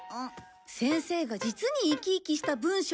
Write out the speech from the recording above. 先生が実にいきいきした文章だって。